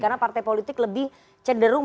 karena partai politik lebih cenderung